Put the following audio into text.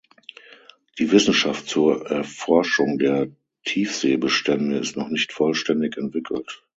Die Wissenschaft zur Erforschung der Tiefseebestände ist noch nicht vollständig entwickelt.